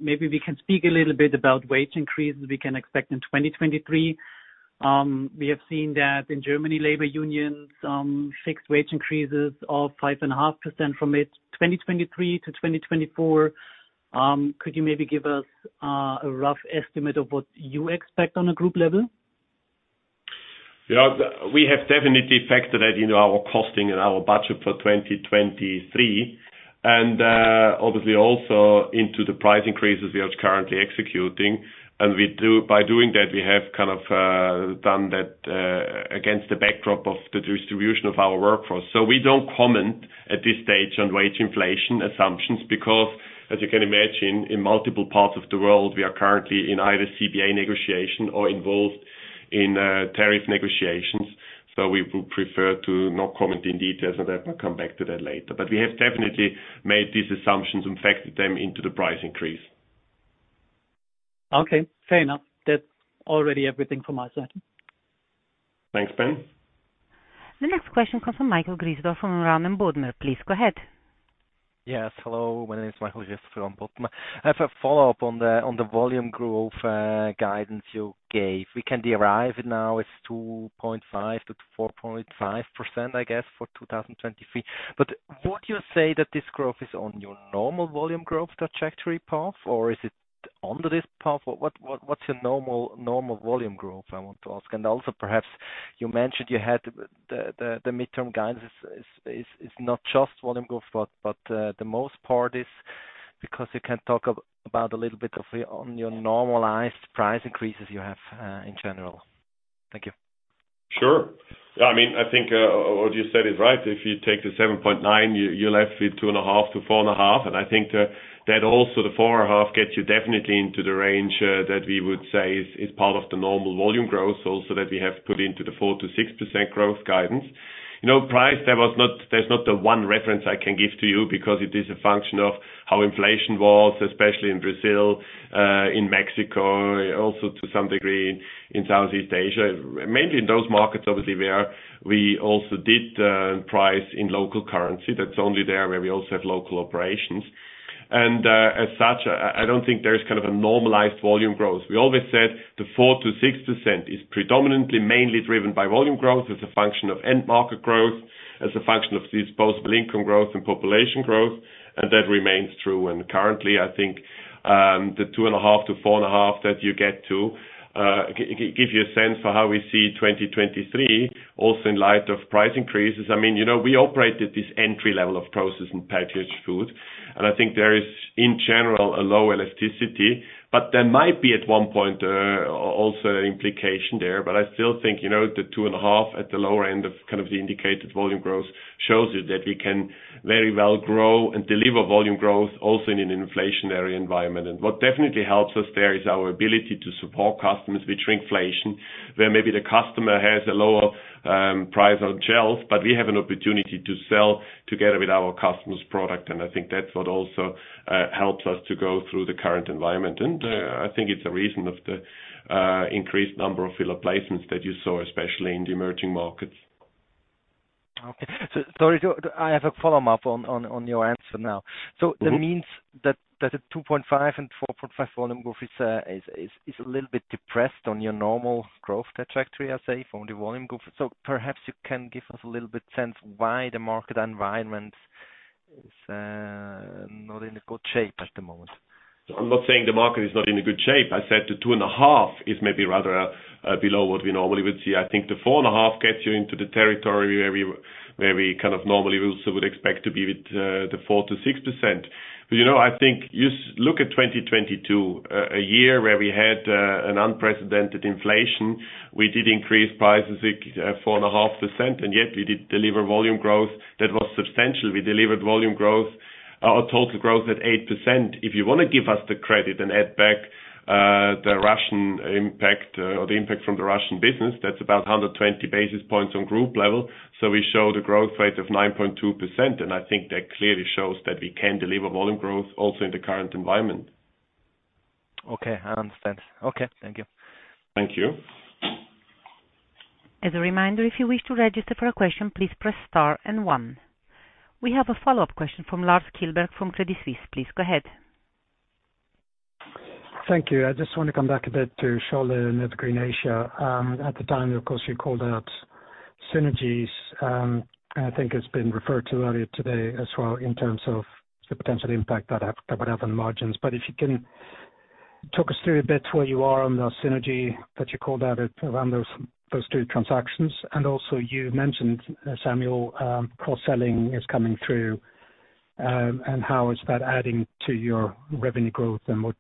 Maybe we can speak a little bit about wage increases we can expect in 2023. We have seen that in Germany labor unions fixed wage increases of 5.5% from mid 2023 to 2024. Could you maybe give us a rough estimate of what you expect on a group level? Yeah. We have definitely factored that into our costing and our budget for 2023 and obviously also into the price increases we are currently executing. By doing that, we have kind of done that against the backdrop of the distribution of our workforce. We don't comment at this stage on wage inflation assumptions because as you can imagine, in multiple parts of the world, we are currently in either CBA negotiation or involved in tariff negotiations. We would prefer to not comment in details on that, but come back to that later. We have definitely made these assumptions and factored them into the price increase. Okay, fair enough. That's already everything from my side. Thanks, Ben. The next question comes from Michael [Heider from Warburg and Vontobel]. Please go ahead. Hello, my name is Michael [Heider from Vontobel]. I have a follow-up on the volume growth guidance you gave. We can derive it now as 2.5%-4.5%, I guess, for 2023. Would you say that this growth is on your normal volume growth trajectory path or is it under this path? What's your normal volume growth, I want to ask? Also perhaps you mentioned you had the midterm guidance is not just volume growth, but the most part is because you can talk about a little bit of your, on your normalized price increases you have in general. Thank you. Sure. I mean, I think what you said is right. If you take the 7.9%, you're left with 2.5%-4.5%. I think that also the 4.5% gets you definitely into the range that we would say is part of the normal volume growth also that we have put into the 4%-6% growth guidance. You know, price, there's not the one reference I can give to you because it is a function of how inflation was, especially in Brazil, in Mexico, also to some degree in Southeast Asia. Mainly in those markets, obviously, where we also did price in local currency. That's only there where we also have local operations. As such, I don't think there's kind of a normalized volume growth. We always said the 4%-6% is predominantly mainly driven by volume growth as a function of end market growth, as a function of disposable income growth and population growth, and that remains true. Currently, I think, the 2.5%-4.5% that you get to give you a sense for how we see 2023 also in light of price increases. I mean, you know, we operate at this entry level of processed and packaged food, and I think there is, in general, a low elasticity, but there might be at one point also an implication there. I still think, you know, the 2.5% at the lower end of kind of the indicated volume growth shows you that we can very well grow and deliver volume growth also in an inflationary environment. What definitely helps us there is our ability to support customers with shrinkflation, where maybe the customer has a lower price on shelf, but we have an opportunity to sell together with our customer's product. I think that's what also helps us to go through the current environment. I think it's a reason of the increased number of filler placements that you saw, especially in the emerging markets. Okay. Sorry, do I have a follow-up on your answer now? That means that the 2.5% and 4.5% volume growth is a little bit depressed on your normal growth trajectory, I say, from the volume growth. Perhaps you can give us a little bit sense why the market environment is not in a good shape at the moment? I'm not saying the market is not in a good shape. I said the 2.5% is maybe rather below what we normally would see. I think the 4.5% gets you into the territory where we kind of normally also would expect to be with the 4%-6%. You know, I think you look at 2022, a year where we had an unprecedented inflation. We did increase prices at 4.5%, and yet we did deliver volume growth that was substantial. We delivered volume growth or total growth at 8%. If you wanna give us the credit and add back the Russian impact or the impact from the Russian business, that's about 120 basis points on group level. We show the growth rate of 9.2%, and I think that clearly shows that we can deliver volume growth also in the current environment. Okay, I understand. Okay, thank you. Thank you. As a reminder, if you wish to register for a question, please press star and one. We have a follow-up question from Lars Kjellberg from Credit Suisse. Please go ahead. Thank you. I just want to come back a bit to Scholle and Evergreen Asia. At the time, of course, you called out synergies, and I think it's been referred to earlier today as well in terms of the potential impact that would have on margins. If you can talk us through a bit where you are on the synergy that you called out around those two transactions. Also you mentioned, Samuel, cross-selling is coming through, and how is that adding to your revenue growth and what...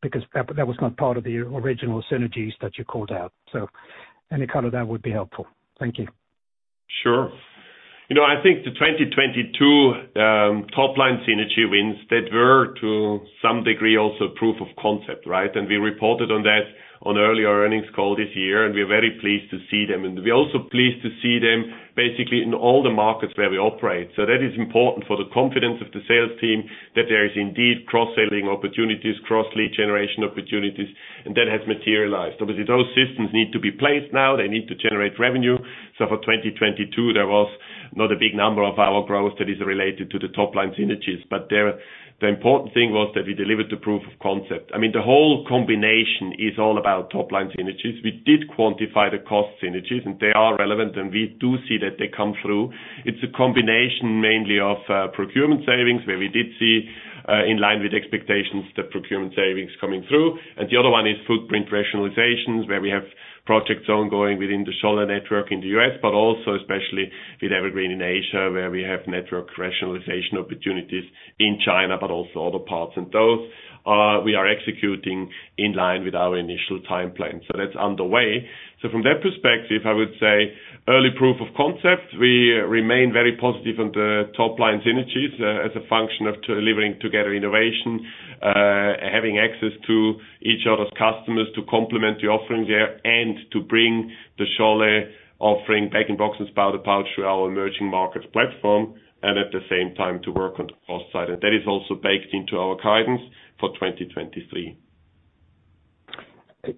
Because that was not part of the original synergies that you called out. Any color there would be helpful. Thank you. Sure. You know, I think the 2022 top line synergy wins that were to some degree also proof of concept, right? We reported on that on earlier earnings call this year, and we're very pleased to see them. We're also pleased to see them basically in all the markets where we operate. That is important for the confidence of the sales team that there is indeed cross-selling opportunities, cross lead generation opportunities, and that has materialized. Obviously, those systems need to be placed now. They need to generate revenue. For 2022, there was not a big number of our growth that is related to the top line synergies. There, the important thing was that we delivered the proof of concept. I mean, the whole combination is all about top line synergies. We did quantify the cost synergies, and they are relevant, and we do see that they come through. It's a combination mainly of procurement savings, where we did see, in line with expectations, the procurement savings coming through. And the other one is footprint rationalizations, where we have projects ongoing within the Scholle network in the U.S., but also especially with Evergreen Asia, where we have network rationalization opportunities in China, but also other parts. Those we are executing in line with our initial timeline. That's underway. From that perspective, I would say early proof of concept. We remain very positive on the top line synergies as a function of delivering together innovation, having access to each other's customers to complement the offering there, and to bring the Scholle offering bag-in-box and spouted pouch through our emerging markets platform. At the same time to work on the cost side. That is also baked into our guidance for 2023.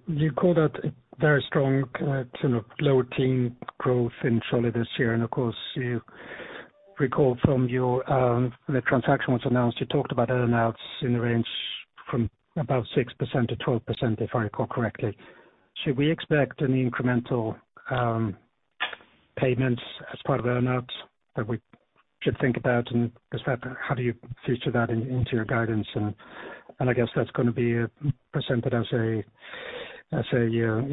You called out a very strong, you know, low teen growth in Scholle this year. Of course, you recall from your, the transaction was announced, you talked about earn outs in the range from about 6%-12%, if I recall correctly. Should we expect any incremental payments as part of earn outs that we should think about? As that, how do you feature that into your guidance? I guess that's gonna be presented as a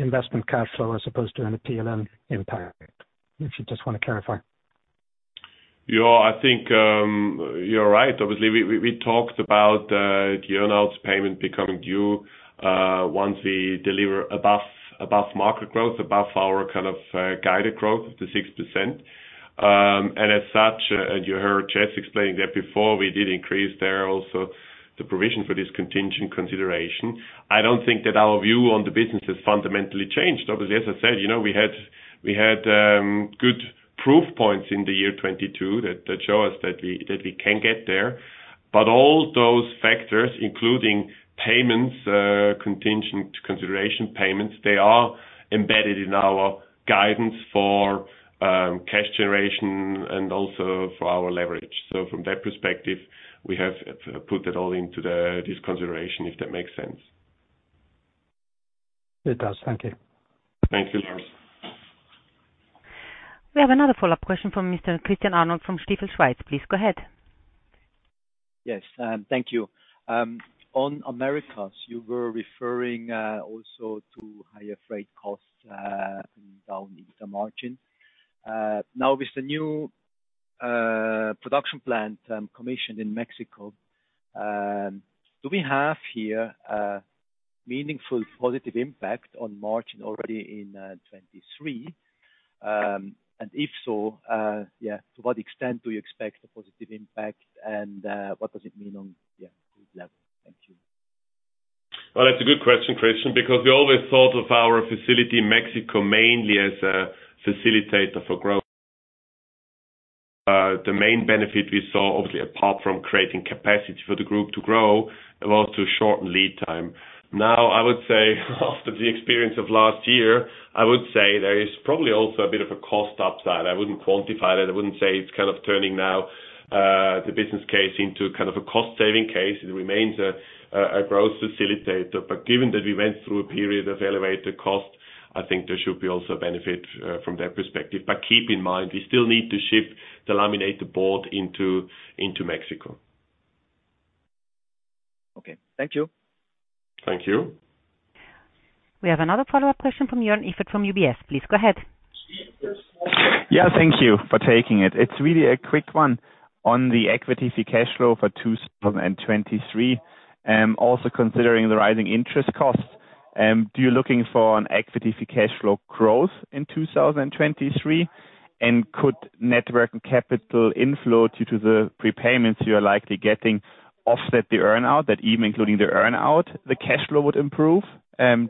investment cash flow as opposed to any PLM impact. If you just wanna clarify. Yeah. I think, you're right. Obviously, we talked about the earn-outs payment becoming due once we deliver above market growth, above our kind of guided growth of the 6%. As such, as you heard Jess explain that before, we did increase there also the provision for this contingent consideration. I don't think that our view on the business has fundamentally changed. Obviously, as I said, you know, we had good proof points in the year 2022 that show us that we can get there. All factors, including payments, contingent consideration payments, they are embedded in our guidance for cash generation and also for our leverage. From that perspective, we have put it all into this consideration, if that makes sense. It does. Thank you. Thank you, Lars. We have another follow-up question from Mr. Christian Arnold from Stifel Schweiz. Please go ahead. Yes. Thank you. On Americas, you were referring also to higher freight costs down in the margin. Now with the new production plant commissioned in Mexico, do we have here a meaningful positive impact on margin already in 2023? If so, to what extent do you expect a positive impact and what does it mean on group level? Thank you. Well, that's a good question, Christian, because we always thought of our facility in Mexico mainly as a facilitator for growth. The main benefit we saw, obviously, apart from creating capacity for the group to grow, was to shorten lead time. I would say after the experience of last year, I would say there is probably also a bit of a cost upside. I wouldn't quantify that. I wouldn't say it's kind of turning now, the business case into kind of a cost saving case. It remains a growth facilitator. Given that we went through a period of elevated cost, I think there should be also benefit from that perspective. Keep in mind, we still need to ship the laminated board into Mexico. Okay. Thank you. Thank you. We have another follow-up question from Joern Iffert from UBS. Please go ahead. Yeah, thank you for taking it. It's really a quick one on the equity free cash flow for 2023. Also considering the rising interest costs, you're looking for an equity free cash flow growth in 2023? Could network and capital inflow due to the prepayments you are likely getting offset the earn out, that even including the earn out, the cash flow would improve?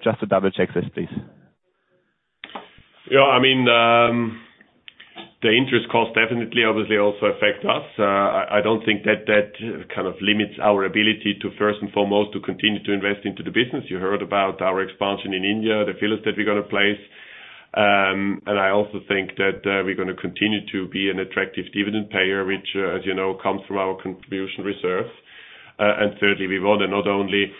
Just to double-check this, please. Yeah, I mean, the interest cost definitely obviously also affect us. I don't think that that kind of limits our ability to first and foremost to continue to invest into the business. You heard about our expansion in India, the fillers that we're gonna place. I also think that we're gonna continue to be an attractive dividend payer, which, as you know, comes from our contribution reserve. Thirdly we wanna not only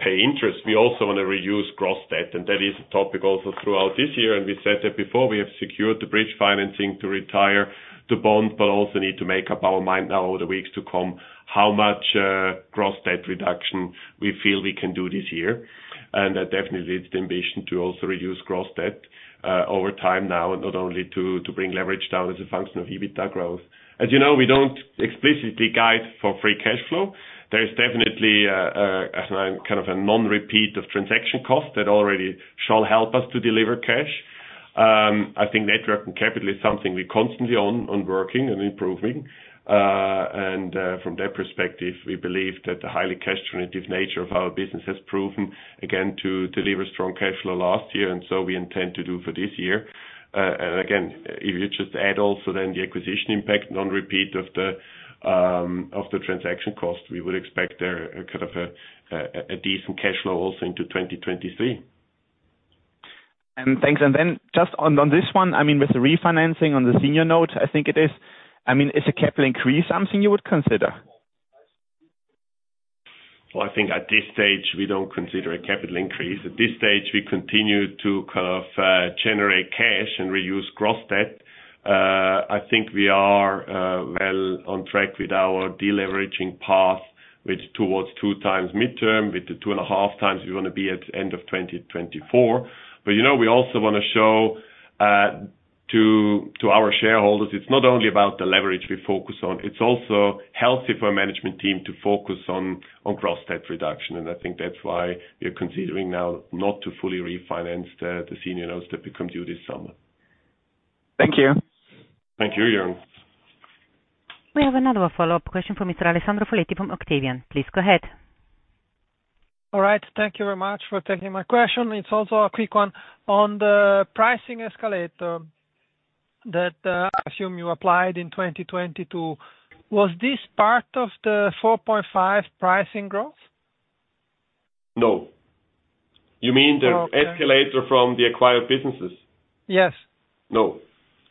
pay interest, we also wanna reduce gross debt, and that is a topic also throughout this year. We said that before, we have secured the bridge financing to retire the bond, but also need to make up our mind now over the weeks to come, how much gross debt reduction we feel we can do this year. That definitely is the ambition to also reduce gross debt over time now, not only to bring leverage down as a function of EBITDA growth. As you know, we don't explicitly guide for free cash flow. There is definitely a kind of a non-repeat of transaction costs that already shall help us to deliver cash. I think net working capital is something we constantly on working and improving. From that perspective, we believe that the highly cash generative nature of our business has proven again to deliver strong cash flow last year, so we intend to do for this year. Again, if you just add also then the acquisition impact non-repeat of the transaction cost, we would expect a kind of a decent cash flow also into 2023. Thanks. Just on this one, I mean with the refinancing on the senior note, I think it is, I mean, is a capital increase something you would consider? Well, I think at this stage we don't consider a capital increase. At this stage we continue to kind of, generate cash and reduce gross debt. I think we are, well on track with our deleveraging path with towards 2x midterm. With the 2.5x we wanna be at end of 2024. You know, we also wanna show to our shareholders it's not only about the leverage we focus on, it's also healthy for a management team to focus on gross debt reduction. I think that's why we are considering now not to fully refinance the senior notes that become due this summer. Thank you. Thank you, Joern. We have another follow-up question from Mr. Alessandro Foletti from Octavian. Please go ahead. All right. Thank you very much for taking my question. It's also a quick one. On the resin escalator that I assume you applied in 2022, was this part of the 4.5% pricing growth? No. You mean the Okay. escalator from the acquired businesses? Yes. No,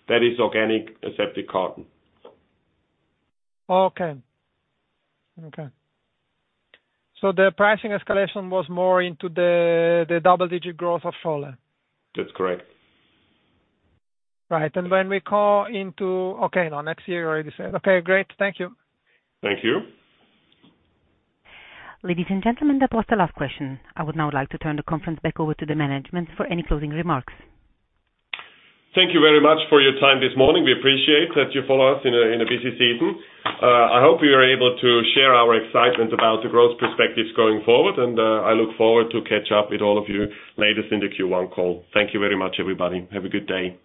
that is organic except the carton. Okay. Okay. The pricing escalation was more into the double-digit growth of Scholle? That's correct. Right. When we call into... Okay. No, next year you already said. Okay, great. Thank you. Thank you. Ladies and gentlemen, that was the last question. I would now like to turn the conference back over to the management for any closing remarks. Thank you very much for your time this morning. We appreciate that you follow us in a busy season. I hope we are able to share our excitement about the growth perspectives going forward, and I look forward to catch up with all of you later in the Q1 call. Thank you very much, everybody. Have a good day.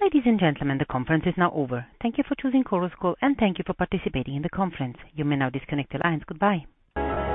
Ladies and gentlemen, the conference is now over. Thank you for choosing Chorus Call, and thank you for participating in the conference. You may now disconnect your lines. Goodbye.